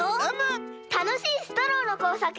たのしいストローのこうさくができたら。